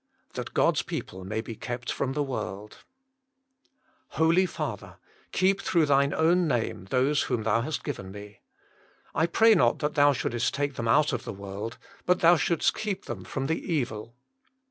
hat (Soft s |)eople mag be kept from tljc "Holy Father, keep through Thine own name those whom Thou hast given Me. I pray not that Thou shouldest take them out of the world, but that Thou shouldest keep them from the evil.